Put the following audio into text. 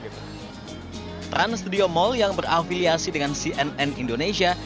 trans studio mall yang berafiliasi dengan cnn indonesia